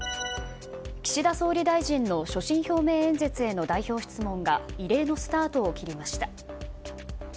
岸田総理大臣の所信表明演説への代表質問が異例のスタートを切りました。